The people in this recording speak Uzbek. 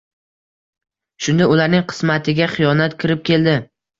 Shunda ularning qismatiga xiyonat kirib keldi!